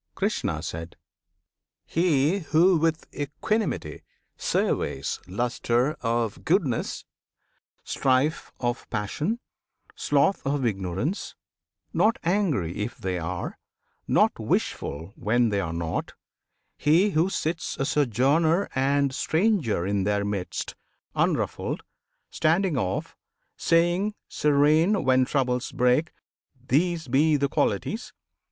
Krishna. He who with equanimity surveys Lustre of goodness, strife of passion, sloth Of ignorance, not angry if they are, Not wishful when they are not: he who sits A sojourner and stranger in their midst Unruffled, standing off, saying serene When troubles break, "These be the Qualities!"